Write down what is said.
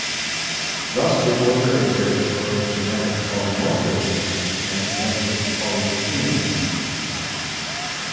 Thus the order exhibits both genetic polymorphism and extensive polyphenism.